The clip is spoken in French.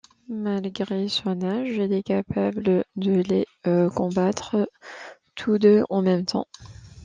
Malgré son âge, il est capable de les combattre tous deux en même temps.